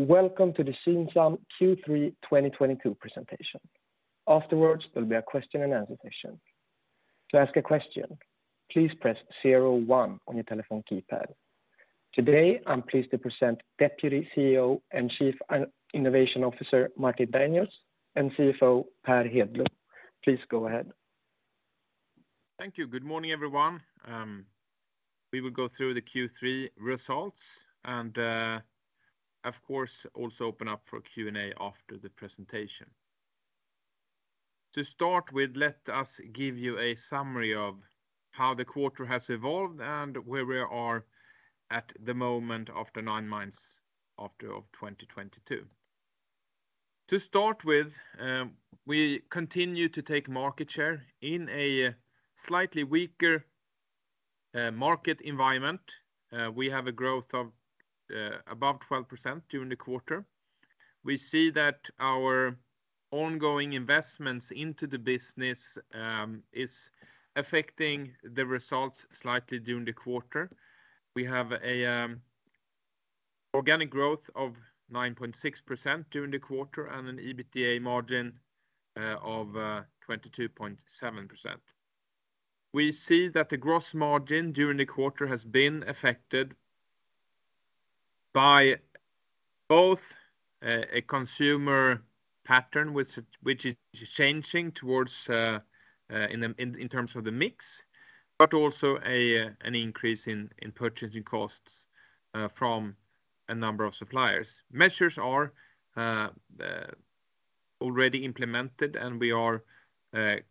Welcome to the Synsam Q3 2022 presentation. Afterwards, there'll be a question and answer session. To ask a question, please press zero one on your telephone keypad. Today, I'm pleased to present Deputy CEO and Chief Innovation Officer Martin Daniels and CFO Per Hedblom. Please go ahead. Thank you. Good morning, everyone. We will go through the Q3 results and, of course, also open up for Q&A after the presentation. To start with, let us give you a summary of how the quarter has evolved and where we are at the moment after nine months of 2022. To start with, we continue to take market share in a slightly weaker market environment. We have a growth of above 12% during the quarter. We see that our ongoing investments into the business is affecting the results slightly during the quarter. We have a organic growth of 9.6% during the quarter and an EBITDA margin of 22.7%. We see that the gross margin during the quarter has been affected by both a consumer pattern which is changing towards in terms of the mix, but also an increase in purchasing costs from a number of suppliers. Measures are already implemented, and we are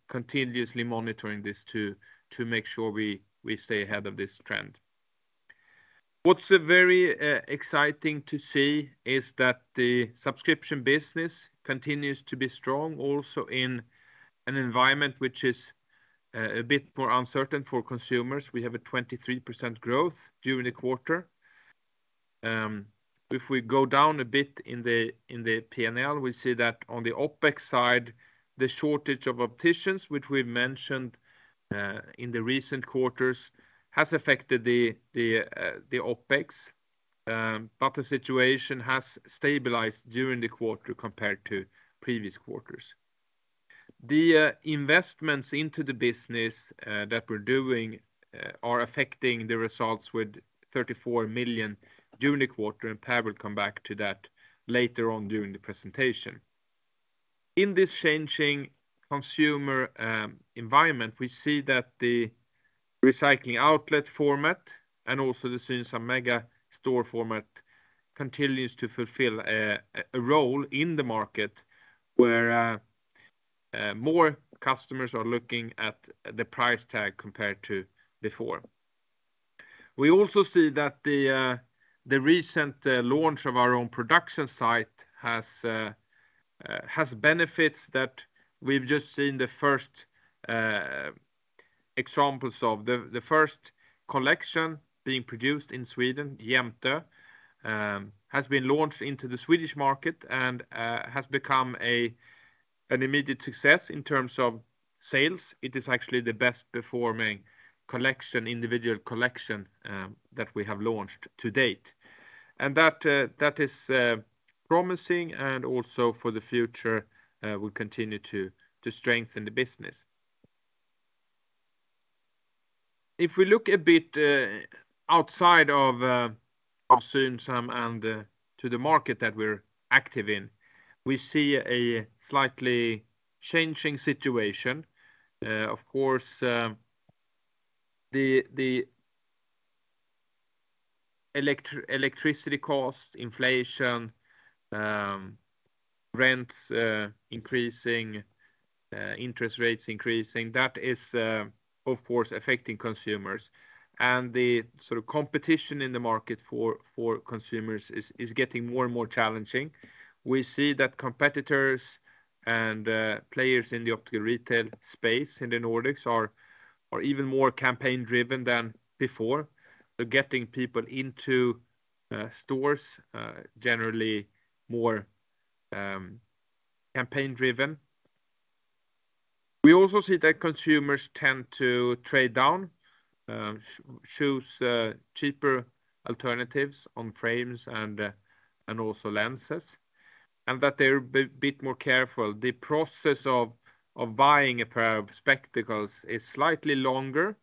continuously monitoring this to make sure we stay ahead of this trend. What's very exciting to see is that the subscription business continues to be strong also in an environment which is a bit more uncertain for consumers. We have a 23% growth during the quarter. If we go down a bit in the P&L, we see that on the OpEx side, the shortage of opticians, which we've mentioned in the recent quarters, has affected the OpEx. The situation has stabilized during the quarter compared to previous quarters. The investments into the business that we're doing are affecting the results with 34 million during the quarter, and Per will come back to that later on during the presentation. In this changing consumer environment, we see that the recycling outlet format and also the Synsam mega store format continues to fulfill a role in the market where more customers are looking at the price tag compared to before. We also see that the recent launch of our own production site has benefits that we've just seen the first examples of. The first collection being produced in Sweden, Jämte, has been launched into the Swedish market and has become an immediate success in terms of sales. It is actually the best performing collection that we have launched to date. That is promising and also for the future will continue to strengthen the business. If we look a bit outside of Synsam and to the market that we're active in, we see a slightly changing situation. Of course, the electricity cost, inflation, rents increasing, interest rates increasing, that is, of course, affecting consumers. The sort of competition in the market for consumers is getting more and more challenging. We see that competitors and players in the optical retail space in the Nordics are even more campaign-driven than before. Getting people into stores generally more campaign-driven. We also see that consumers tend to trade down, choose cheaper alternatives on frames and also lenses, and that they're a bit more careful. The process of buying a pair of spectacles is slightly longer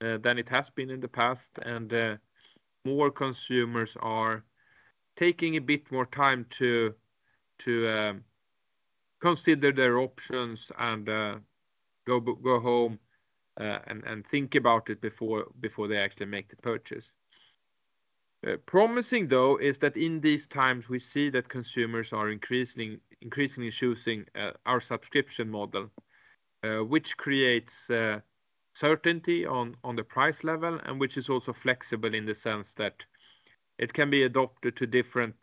than it has been in the past, and more consumers are taking a bit more time to consider their options and go home and think about it before they actually make the purchase. Promising though is that in these times, we see that consumers are increasingly choosing our subscription model, which creates certainty on the price level and which is also flexible in the sense that it can be adopted to different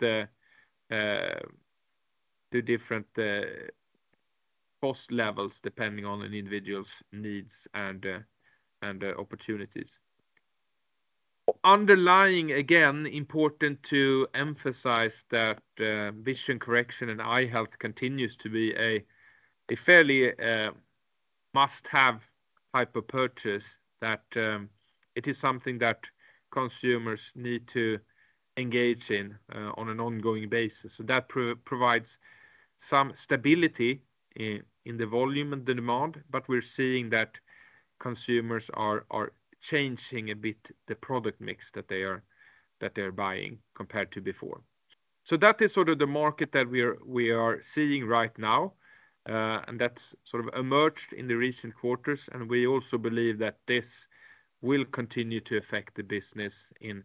cost levels depending on an individual's needs and opportunities. Underlying, again, important to emphasize that vision correction and eye health continues to be a fairly must-have purchase that it is something that consumers need to engage in on an ongoing basis. That provides some stability in the volume and the demand, but we're seeing that consumers are changing a bit the product mix that they are buying compared to before. That is sort of the market that we are seeing right now, and that's sort of emerged in the recent quarters and we also believe that this will continue to affect the business in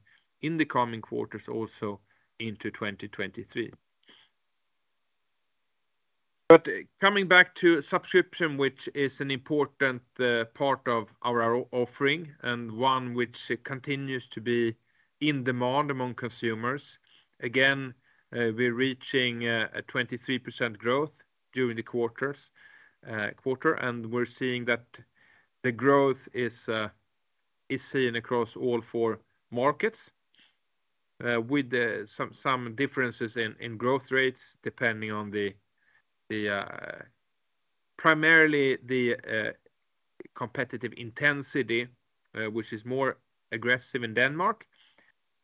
the coming quarters also into 2023. Coming back to subscription which is an important part of our offering and one which continues to be in demand among consumers. Again, we're reaching a 23% growth during the quarter and we're seeing that the growth is seen across all four markets, with some differences in growth rates depending on primarily the competitive intensity, which is more aggressive in Denmark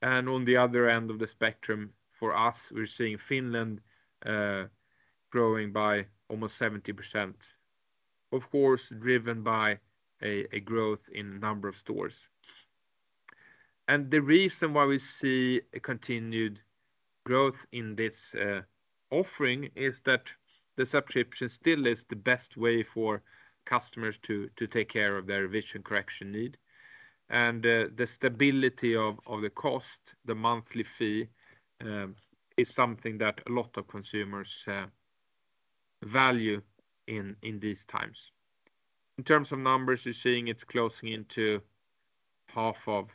and on the other end of the spectrum for us, we're seeing Finland growing by almost 70%. Of course, driven by a growth in number of stores. The reason why we see a continued growth in this offering is that the subscription still is the best way for customers to take care of their vision correction need. The stability of the cost, the monthly fee, is something that a lot of consumers value in these times. In terms of numbers, you're seeing it's closing into half of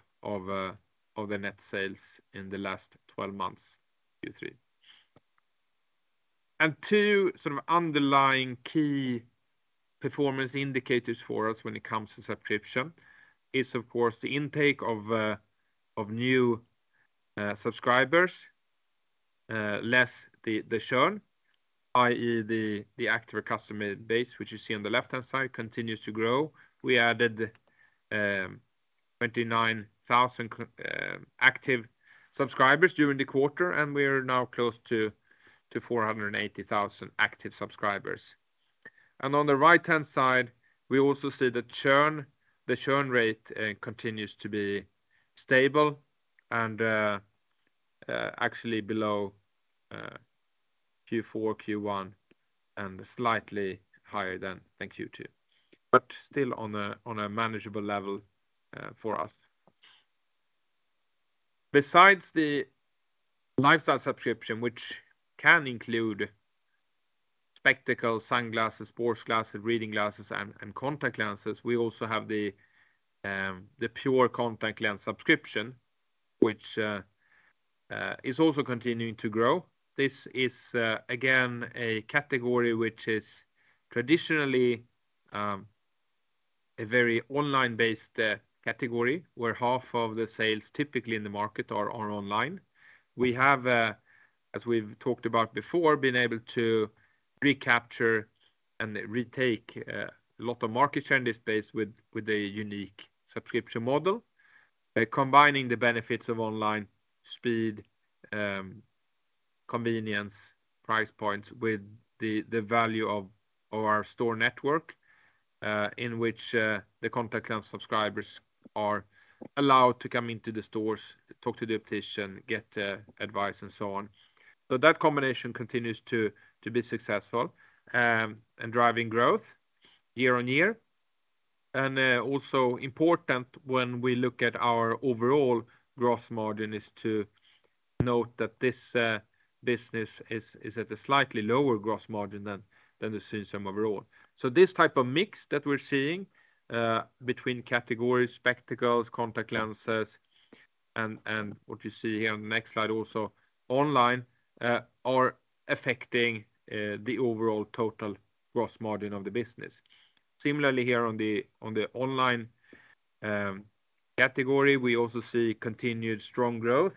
the net sales in the last 12 months, Q3. Two sort of underlying key performance indicators for us when it comes to subscription is of course the intake of new subscribers less the churn i.e. the active customer base which you see on the left-hand side continues to grow. We added 29,000 active subscribers during the quarter and we are now close to 480,000 active subscribers. On the right-hand side we also see the churn rate continues to be stable and actually below Q4, Q1 and slightly higher than the Q2. Still on a manageable level for us. Besides the lifestyle subscription which can include spectacles, sunglasses, sports glasses, reading glasses and contact lenses, we also have the pure contact lens subscription which is also continuing to grow. This is again a category which is traditionally a very online-based category where half of the sales typically in the market are online. We have as we've talked about before been able to recapture and retake a lot of market share in this space with a unique subscription model combining the benefits of online speed, convenience, price points with the value of our store network in which the contact lens subscribers are allowed to come into the stores, talk to the optician, get advice and so on. That combination continues to be successful and driving growth year on year and also important when we look at our overall gross margin is to note that this business is at a slightly lower gross margin than the Synsam overall. This type of mix that we're seeing between categories, spectacles, contact lenses and what you see here on the next slide also online are affecting the overall total gross margin of the business. Similarly here on the online category we also see continued strong growth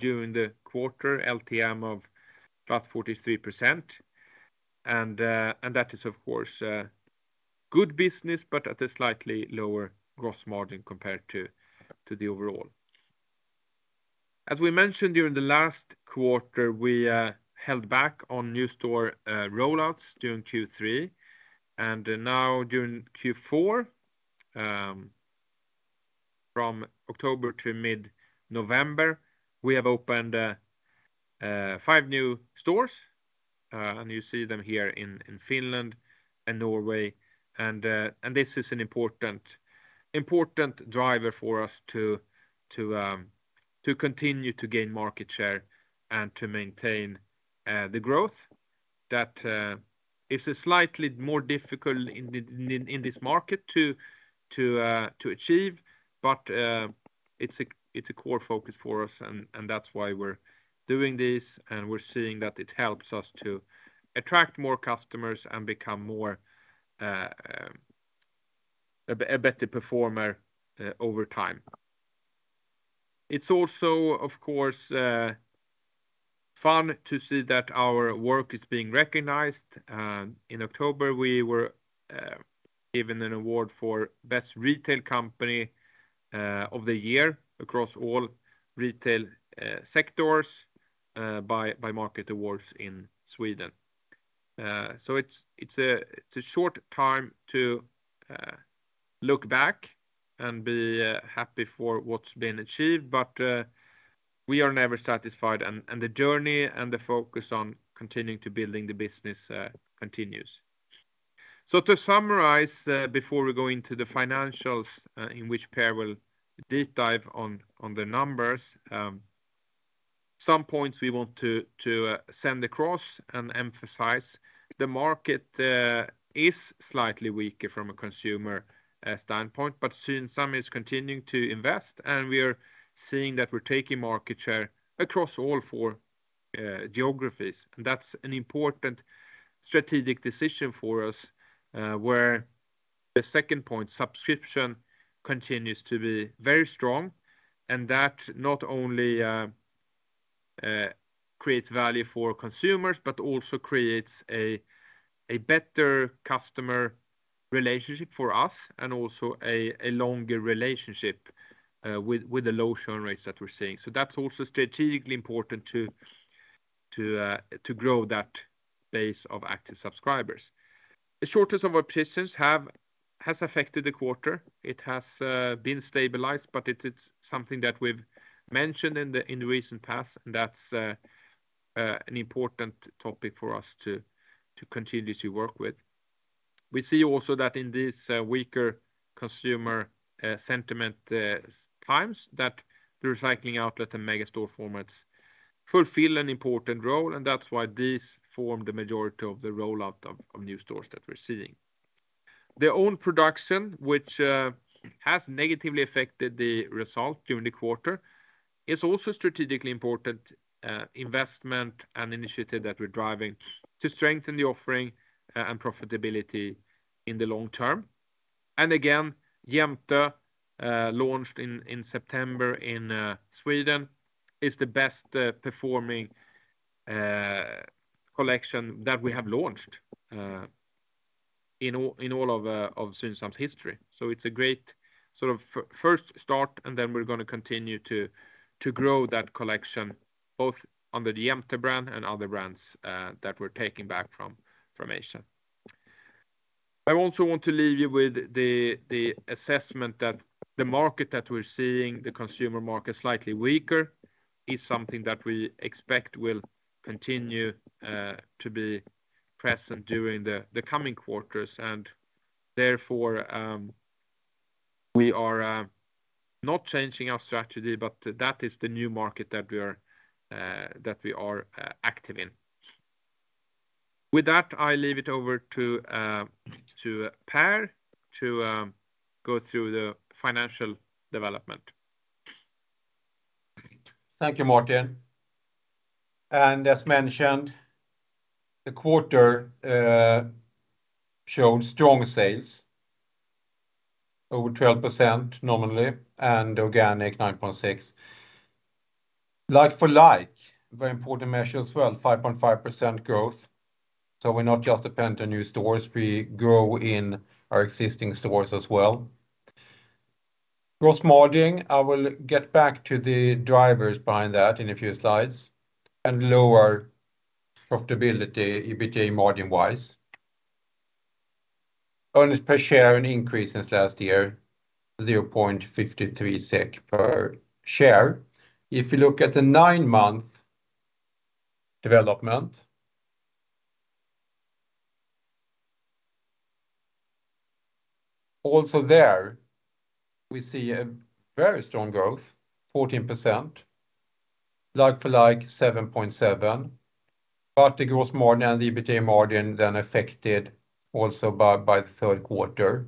during the quarter LTM of +43% and that is of course a good business but at a slightly lower gross margin compared to the overall. As we mentioned during the last quarter we held back on new store rollouts during Q3 and now during Q4 from October to mid-November we have opened five new stores and you see them here in Finland and Norway and this is an important driver for us to continue to gain market share and to maintain the growth that is a slightly more difficult in this market to achieve but it's a core focus for us and that's why we're doing this and we're seeing that it helps us to attract more customers and become a better performer over time. It's also of course fun to see that our work is being recognized. In October, we were given an award for best retail company of the year across all retail sectors by Retail Awards in Sweden. It's a short time to look back and be happy for what's been achieved. We are never satisfied and the journey and the focus on continuing to building the business continues. To summarize, before we go into the financials in which Per will deep dive on the numbers. Some points we want to send across and emphasize the market is slightly weaker from a consumer standpoint, but Synsam is continuing to invest, and we are seeing that we're taking market share across all four geographies. That's an important strategic decision for us, where the second point, subscription continues to be very strong. That not only creates value for consumers, but also creates a better customer relationship for us and also a longer relationship with the low churn rates that we're seeing. That's also strategically important to grow that base of active subscribers. The shortage of our positions has affected the quarter. It has been stabilized, but it is something that we've mentioned in the recent past, and that's an important topic for us to continue to work with. We see also that in this weaker consumer sentiment times that the recycling outlet and mega store formats fulfill an important role, and that's why these form the majority of the rollout of new stores that we're seeing. Their own production, which has negatively affected the result during the quarter, is also strategically important investment and initiative that we're driving to strengthen the offering and profitability in the long term. Again, Jämte launched in September in Sweden is the best performing collection that we have launched in all of Synsam's history. It's a great sort of first start, and then we're gonna continue to grow that collection both under the Jämte brand and other brands that we're taking back from Asia. I also want to leave you with the assessment that the market that we're seeing, the consumer market, slightly weaker, is something that we expect will continue to be present during the coming quarters. Therefore, we are not changing our strategy, but that is the new market that we are active in. With that, I leave it over to Per to go through the financial development. Thank you, Martin. As mentioned, the quarter showed strong sales over 12% nominally and organic 9.6%. Like-for-like, very important measure as well, 5.5% growth. We're not just dependent on new stores, we grow in our existing stores as well. Gross margin, I will get back to the drivers behind that in a few slides, and lower profitability EBITA margin wise. Earnings per share an increase since last year, 0.53 SEK per share. If you look at the nine-month development, also there we see a very strong growth, 14%. Like-for-like, 7.7%. The gross margin and the EBITA margin then affected also by the third quarter.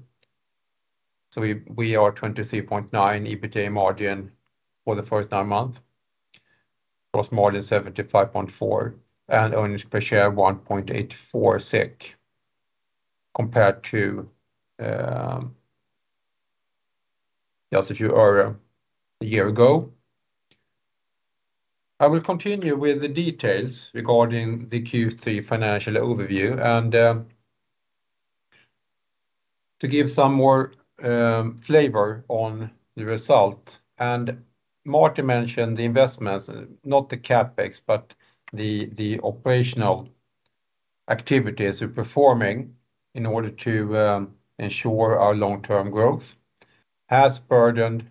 We are 23.9% EBITA margin for the first nine months. Gross margin 75.4% and earnings per share 1.84 SEK compared to just a year ago. I will continue with the details regarding the Q3 financial overview and to give some more flavor on the result. Martin mentioned the investments, not the CapEx, but the operational activities we're performing in order to ensure our long-term growth has affected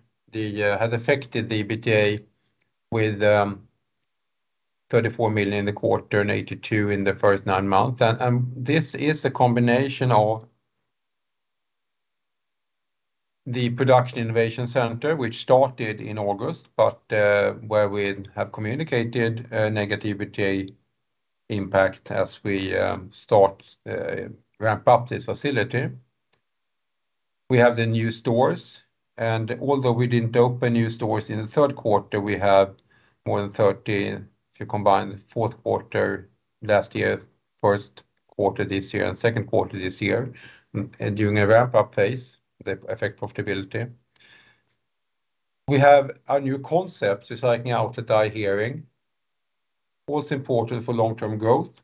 the EBITA with 34 million in the quarter and 82 million in the first nine months. This is a combination of the Production and Innovation Center, which started in August, but where we have communicated a negative EBITA impact as we start ramp up this facility. We have the new stores, and although we didn't open new stores in the third quarter, we have more than 30 if you combine the fourth quarter last year, first quarter this year, and second quarter this year. During a ramp-up phase, the effect profitability. We have our new concept is like Nordic Hearing. Also important for long-term growth,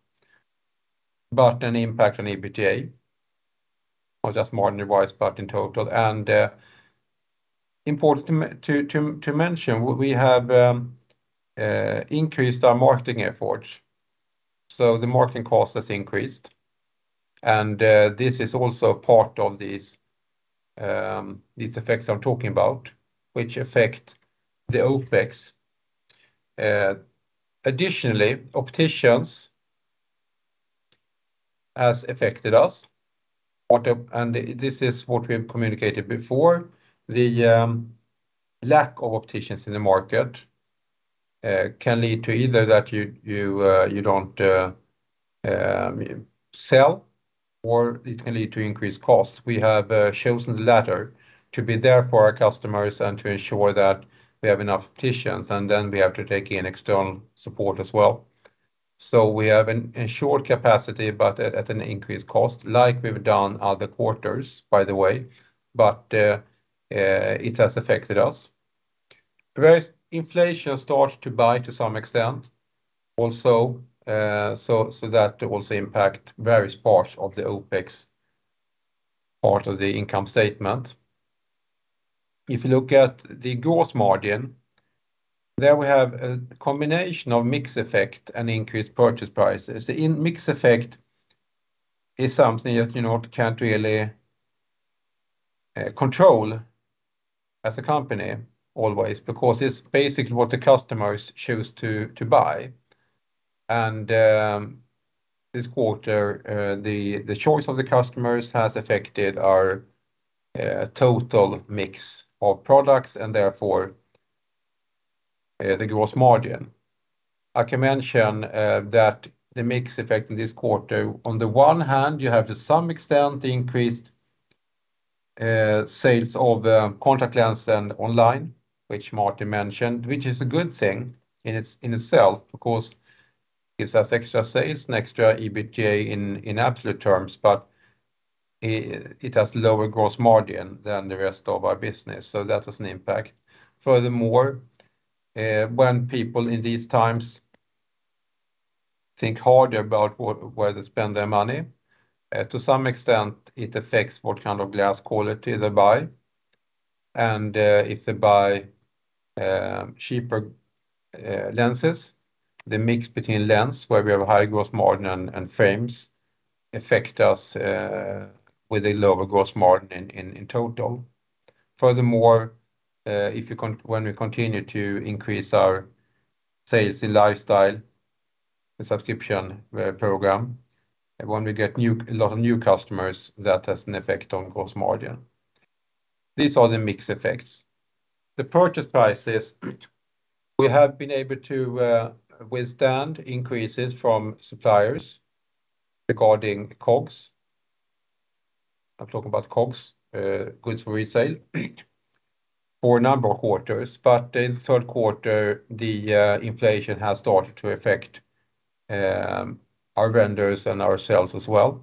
but an impact on EBITA or just margin-wise, but in total. Important to me to mention, we have increased our marketing efforts. The marketing cost has increased. This is also part of these effects I'm talking about, which affect the OpEx. Additionally, opticians has affected us. This is what we have communicated before. The lack of opticians in the market can lead to either that you don't sell or it can lead to increased costs. We have chosen the latter to be there for our customers and to ensure that we have enough opticians, and then we have to take in external support as well. We have ensured capacity, but at an increased cost, like we've done other quarters, by the way. It has affected us. Whereas inflation starts to bite to some extent also. That also impacts various parts of the OpEx, part of the income statement. If you look at the gross margin, there we have a combination of mix effect and increased purchase prices. The mix effect is something that, you know, you can't really control as a company always, because it's basically what the customers choose to buy. This quarter, the choice of the customers has affected our total mix of products and therefore the gross margin. I can mention that the mix effect in this quarter, on the one hand, you have to some extent increased sales of the contact lens and online, which Martin mentioned, which is a good thing in itself because gives us extra sales and extra EBTA in absolute terms, but it has lower gross margin than the rest of our business. That is an impact. Furthermore, when people in these times think harder about where they spend their money, to some extent it affects what kind of glass quality they buy. If they buy cheaper lenses, the mix between lenses where we have a high gross margin and frames affect us with a lower gross margin in total. Furthermore, if we continue to increase our sales in Lifestyle, the subscription program, when we get a lot of new customers, that has an effect on gross margin. These are the mix effects. The purchase prices, we have been able to withstand increases from suppliers regarding COGS. I'm talking about COGS, goods for resale, for a number of quarters. In the third quarter, inflation has started to affect our vendors and ourselves as well.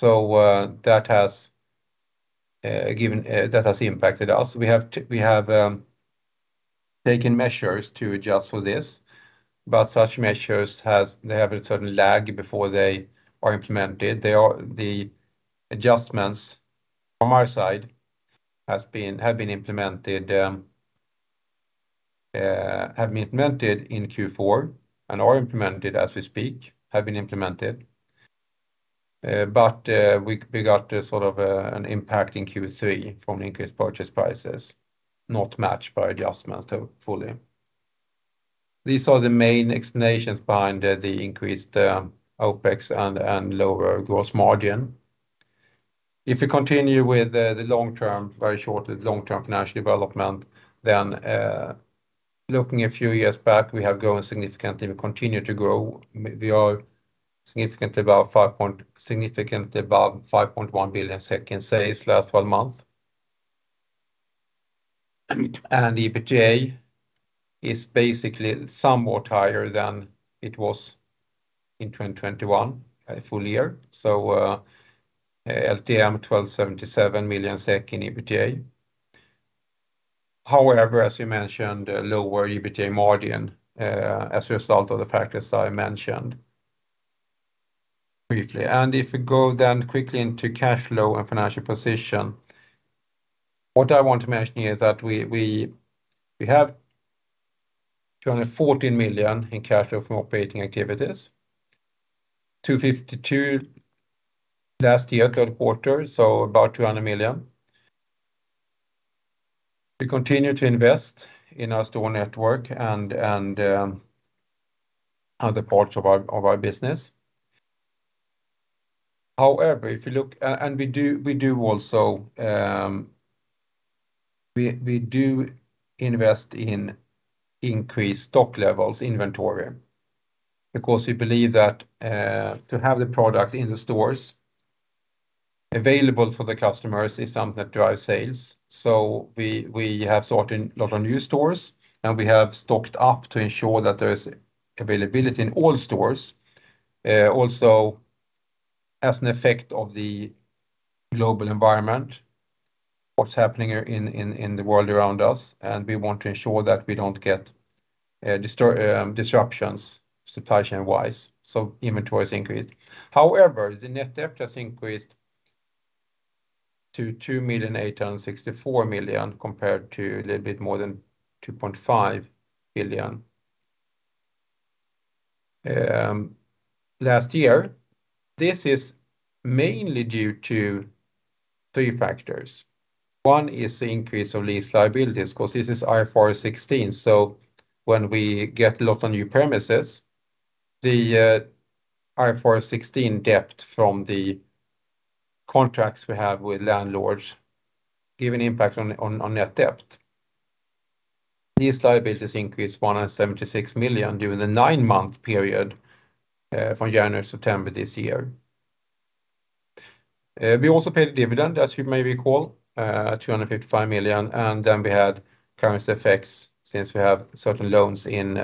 That has impacted us. We have taken measures to adjust for this, but such measures have a certain lag before they are implemented. They are the adjustments from our side have been implemented in Q4 and are implemented as we speak. We got a sort of an impact in Q3 from increased purchase prices, not fully matched by adjustments. These are the main explanations behind the increased OpEx and lower gross margin. If you continue with the long term, very short, long-term financial development, then looking a few years back, we have grown significantly. We continue to grow. We are significantly above 5.1 billion in net sales last twelve months. EBTA is basically somewhat higher than it was in 2021, full year. LTM 1,277 million SEK in EBTA. However, as you mentioned, lower EBTA margin as a result of the factors I mentioned briefly. If we go then quickly into cash flow and financial position, what I want to mention is that we have 214 million in cash flow from operating activities, 252 last year, third quarter, so about 200 million. We continue to invest in our store network and other parts of our business. However, if you look, we do invest in increased stock levels inventory, because we believe that to have the products in the stores available for the customers is something that drives sales. We have sorted a lot of new stores, and we have stocked up to ensure that there is availability in all stores. Also as an effect of the global environment, what's happening in the world around us, and we want to ensure that we don't get disruptions supply chain-wise. Inventory has increased. However, the net debt has increased to 2,864 million compared to a little bit more than 2.5 billion last year. This is mainly due to three factors. One is the increase of lease liabilities because this is IFRS 16. When we get a lot of new premises, IFRS 16 debt from the contracts we have with landlords give an impact on net debt. These liabilities increased 176 million during the nine-month period from January to September this year. We also paid a dividend, as you may recall, 255 million, and then we had currency effects since we have certain loans in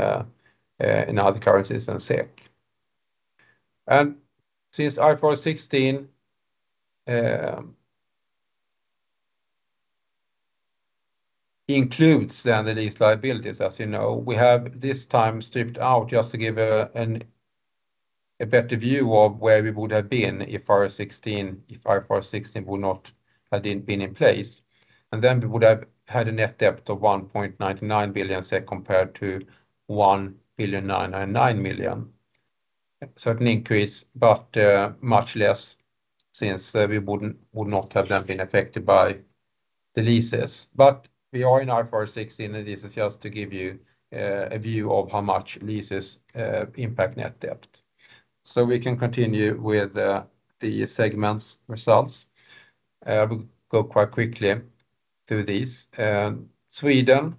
other currencies than SEK. Since IFRS 16 includes then the lease liabilities, as you know, we have this time stripped out just to give a better view of where we would have been if IFRS 16 would not have been in place. Then we would have had a net debt of 1.99 billion compared to 1.909 billion. A certain increase, but much less since we wouldn't, would not have then been affected by the leases. We are in IFRS 16, and this is just to give you a view of how much leases impact net debt. We can continue with the segment's results. We'll go quite quickly through these. Sweden,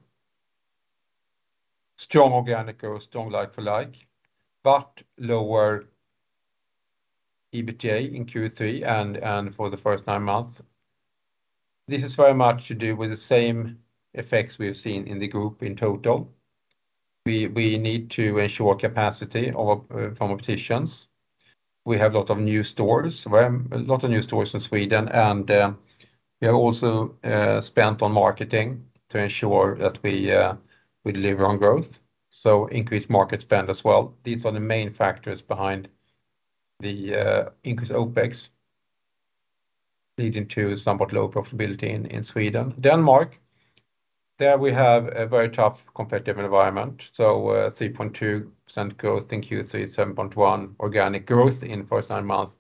strong organic or strong like-for-like, but lower EBITDA in Q3 and for the first nine months. This is very much to do with the same effects we have seen in the group in total. We need to ensure capacity from opticians. We have a lot of new stores in Sweden, and we have also spent on marketing to ensure that we deliver on growth. Increased market spend as well. These are the main factors behind the increased OpEx leading to somewhat low profitability in Sweden. Denmark, there we have a very tough competitive environment. Three point two percent growth in Q3, 7.1% organic growth in first nine months.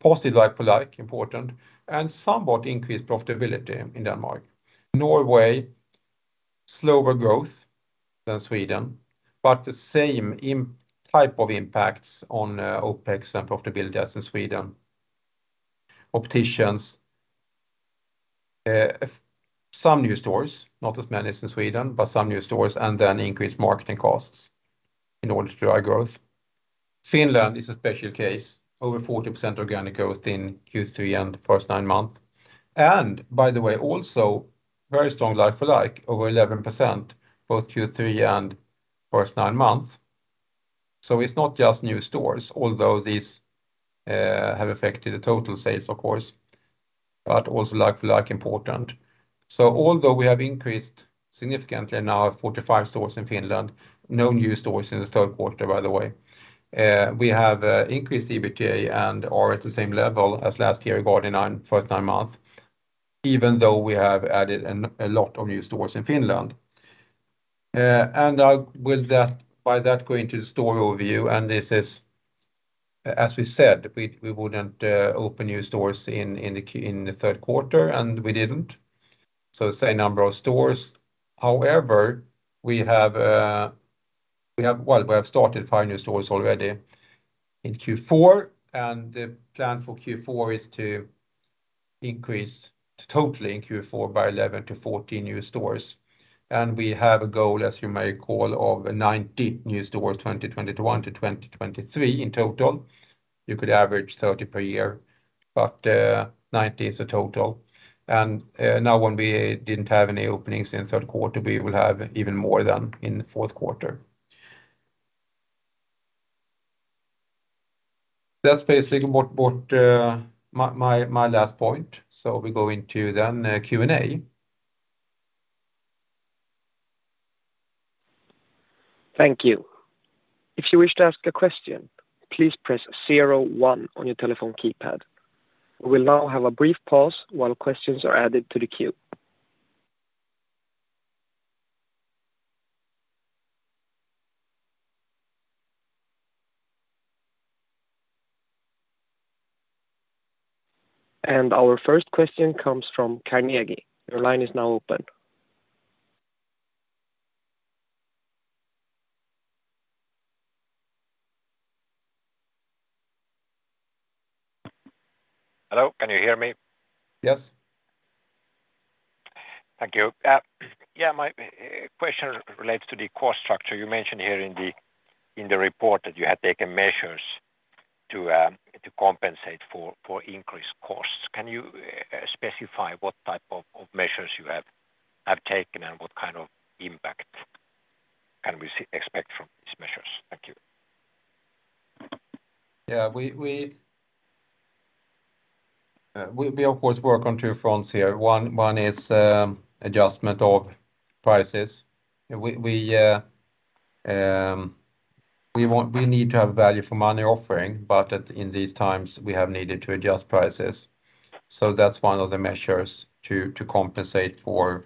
Positive like-for-like, important, and somewhat increased profitability in Denmark. Norway, slower growth than Sweden, but the same type of impacts on OpEx and profitability as in Sweden. In addition, some new stores, not as many as in Sweden, but some new stores, and then increased marketing costs in order to drive growth. Finland is a special case. Over 40% organic growth in Q3 and first nine months. By the way, also very strong like-for-like, over 11%, both Q3 and first nine months. It's not just new stores, although these have affected the total sales, of course, but also like-for-like, important. Although we have increased significantly, now 45 stores in Finland, no new stores in the third quarter, by the way. We have increased EBITDA and are at the same level as last year regarding nine, first nine months, even though we have added a lot of new stores in Finland. I will, by that, go into the store overview, and this is, as we said, we wouldn't open new stores in the third quarter, and we didn't. Same number of stores. However, we have started five new stores already in Q4, and the plan for Q4 is to increase totally in Q4 by 11-14 new stores. We have a goal, as you may recall, of 90 new stores, 2021-2023 in total. You could average 30 per year, but, 90 is the total. Now when we didn't have any openings in third quarter, we will have even more than in the fourth quarter. That's basically what my last point. We go into then Q&A. Thank you. If you wish to ask a question, please press zero one on your telephone keypad. We'll now have a brief pause while questions are added to the queue. Our first question comes from Carnegie. Your line is now open. Hello, can you hear me? Yes. Thank you. Yeah, my question relates to the cost structure. You mentioned here in the report that you had taken measures to compensate for increased costs. Can you specify what type of measures you have taken and what kind of impact can we expect from these measures? Thank you. Yeah. We of course work on two fronts here. One is adjustment of prices. We need to have value for money offering, but in these times, we have needed to adjust prices. That's one of the measures to compensate for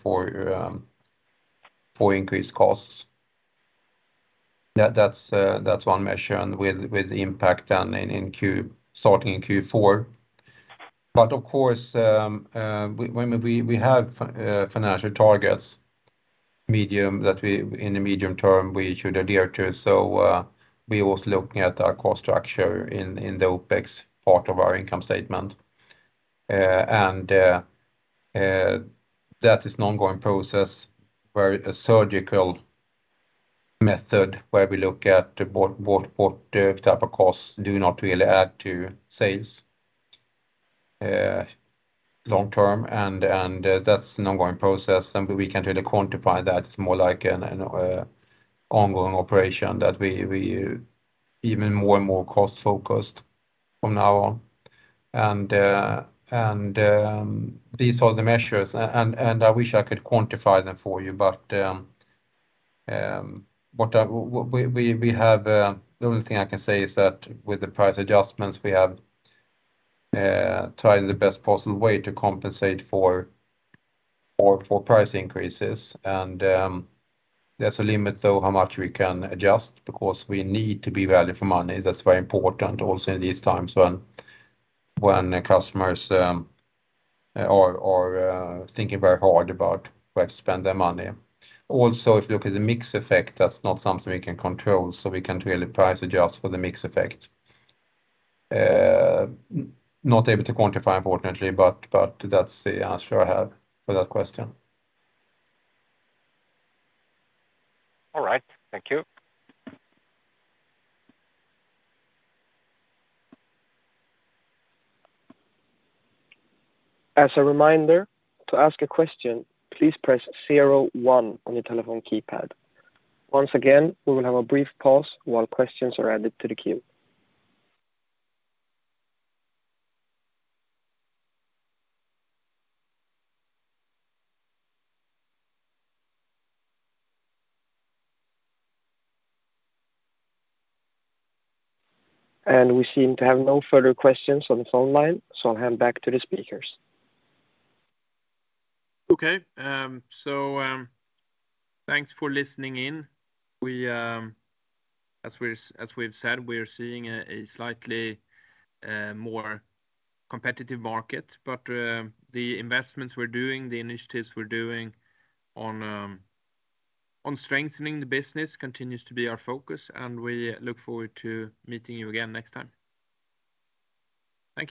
increased costs. That's one measure with impact, starting in Q4. Of course, when we have financial targets that we in the medium term should adhere to. We're also looking at our cost structure in the OpEx part of our income statement. That is an ongoing process where a surgical method where we look at what type of costs do not really add to sales long term. That's an ongoing process, and we can't really quantify that. It's more like an ongoing operation that we even more and more cost-focused from now on. These are the measures and I wish I could quantify them for you. We have the only thing I can say is that with the price adjustments, we have tried the best possible way to compensate for price increases. There's a limit to how much we can adjust because we need to be value for money. That's very important also in these times when customers are thinking very hard about where to spend their money. Also, if you look at the mix effect, that's not something we can control, so we can't really price adjust for the mix effect. Not able to quantify, unfortunately, but that's the answer I have for that question. All right. Thank you. As a reminder, to ask a question, please press zero one on your telephone keypad. Once again, we will have a brief pause while questions are added to the queue. We seem to have no further questions on the phone line, so I'll hand back to the speakers. Okay. Thanks for listening in. As we've said, we are seeing a slightly more competitive market. The investments we're doing, the initiatives we're doing on strengthening the business continues to be our focus, and we look forward to meeting you again next time. Thank you.